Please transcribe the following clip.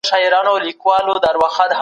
ولسمشر به د جرګي غونډه پرانيزي.